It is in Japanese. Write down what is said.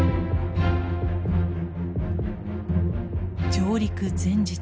上陸前日。